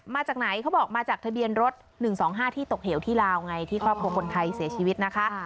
มาจากไหนเขาบอกมาจากทะเบียนรถ๑๒๕ที่ตกเหวที่ลาวไงที่ครอบครัวคนไทยเสียชีวิตนะคะ